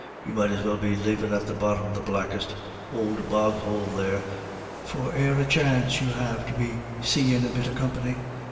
You might as well be livin' at the bottom of the blackest ould boghoule there, for e'er a chance you have to be seein' a bit of company."